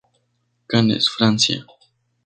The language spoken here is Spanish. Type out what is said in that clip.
Cannes, Francia.